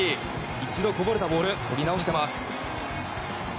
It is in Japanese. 一度こぼれたボールを取り直しています。